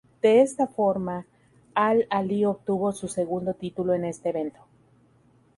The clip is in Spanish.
De esta forma, Al-Ahly obtuvo su segundo título en este evento.